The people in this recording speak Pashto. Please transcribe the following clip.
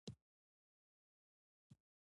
ستاسو سېټ یوازې ستاسو دی.